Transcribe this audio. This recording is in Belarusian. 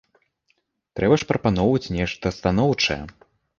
Трэба ж прапаноўваць нешта станоўчае.